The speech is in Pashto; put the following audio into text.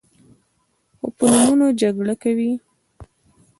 خو په نومونو جګړه کوي.